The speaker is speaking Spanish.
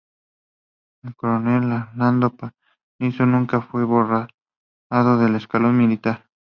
El coronel Arnaldo Panizo nunca fue borrado del escalafón militar.